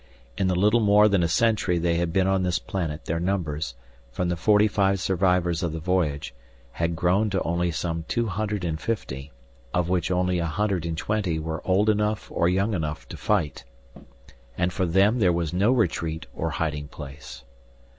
In the little more than a century they had been on this planet their numbers, from the forty five survivors of the voyage, had grown to only some two hundred and fifty, of which only a hundred and twenty were old enough or young enough to fight. And for them there was no retreat or hiding place.